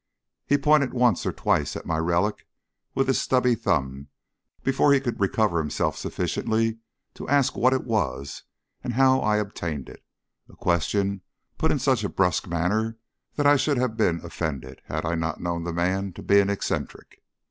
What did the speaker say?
He pointed once or twice at my relic with his stubby thumb before he could recover himself sufficiently to ask what it was and how I obtained it a question put in such a brusque manner that I should have been offended had I not known the man to be an eccentric.